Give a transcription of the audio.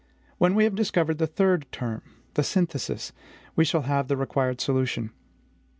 When we have discovered the third term, the SYNTHESIS, we shall have the required solution.